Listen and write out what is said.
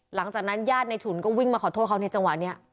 หลังจากนั้นญาติในฉุนก็วิ่งมาขอโทษเขาในจังหวะนี้